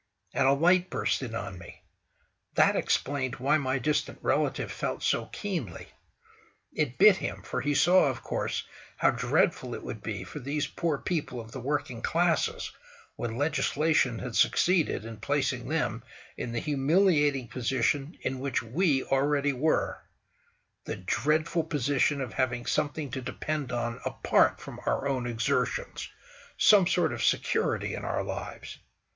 And a light burst in on me. That explained why my distant relative felt so keenly. It bit him, for he saw, of course, how dreadful it would be for these poor people of the working classes when legislation had succeeded in placing them in the humiliating position in which we already were—the dreadful position of having something to depend on apart from our own exertions, some sort of security in our lives.